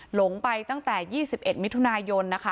หลงไปตั้งแต่๒๑มิถุนายนนะคะ